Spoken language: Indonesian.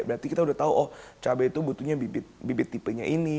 berarti kita udah tahu oh cabai itu butuhnya bibit tipenya ini